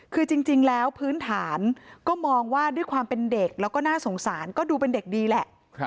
คือจริงแล้วพื้นฐานก็มองว่าด้วยความเป็นเด็กแล้วก็น่าสงสารก็ดูเป็นเด็กดีแหละ